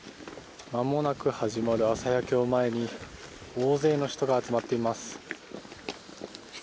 まもなく始まる朝焼けを前に大勢の人が集まっています。